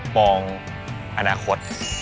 มองอนาคต